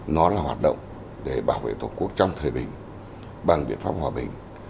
nó là hoạt động để bảo vệ tổ quốc trong thời bình bằng biện pháp hòa bình